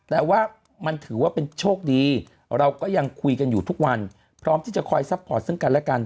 แต่ว่ามันถือว่าเป็นโชคดีเราก็ยังคุยกันอยู่ทุกวันพร้อมที่จะคอยซัพพอร์ตซึ่งกันและกัน